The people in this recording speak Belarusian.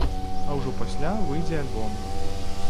А ўжо пасля выйдзе альбом.